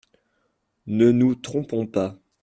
Ne nous trompons pas.